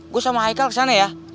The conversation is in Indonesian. gua sama michael kesana ya